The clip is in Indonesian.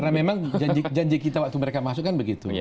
karena memang janji kita waktu mereka masuk kan begitu